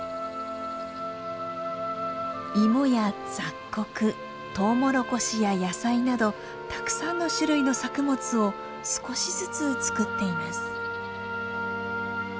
芋や雑穀とうもろこしや野菜などたくさんの種類の作物を少しずつつくっています。